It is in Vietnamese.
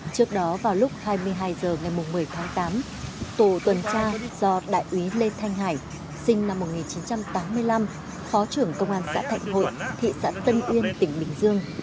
trước đó vào lúc hai mươi hai h ngày một mươi tháng tám tổ tuần tra do đại úy lê thanh hải sinh năm một nghìn chín trăm tám mươi năm phó trưởng công an xã thạnh hội thị xã tân uyên tỉnh bình dương